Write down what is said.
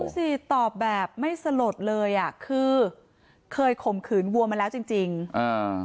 สิตอบแบบไม่สลดเลยอ่ะคือเคยข่มขืนวัวมาแล้วจริงจริงอ่า